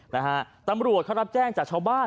นะฮะตำรวจเขารับแจ้งจากชาวบ้าน